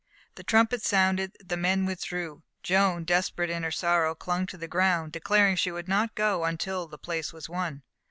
The trumpets sounded; the men withdrew, Joan, desperate in her sorrow, clung to the ground, declaring she would not go until the place was won.